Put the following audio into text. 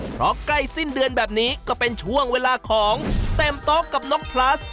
เพราะใกล้สิ้นเดือนแบบนี้ก็เป็นช่วงเวลาของเต็มโต๊ะกับนกพลัส